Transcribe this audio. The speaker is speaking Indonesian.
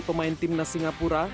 pemain timnas singapura